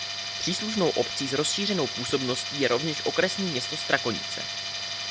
Příslušnou obcí s rozšířenou působností je rovněž okresní město Strakonice.